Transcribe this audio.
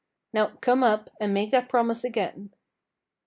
"Now come up, and make that promise again."